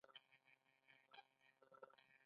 دل ازاري مه کوه، خون به مې واخلې